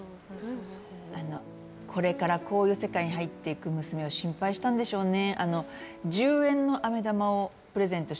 これからこういう世界に入っていく娘を心配したんでしょうね